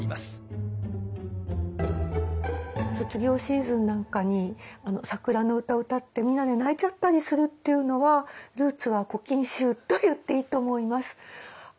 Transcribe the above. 卒業シーズンなんかに桜の歌歌ってみんなで泣いちゃったりするっていうのはルーツは「古今集」といっていいと思います。